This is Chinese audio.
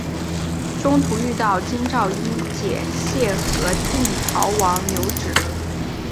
中途遇到京兆尹解恽和定陶王刘祉。